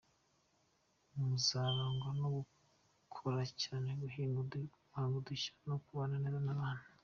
Muzarangwa no gukora cyane, guhinga udushya no kubana neza n’abantu.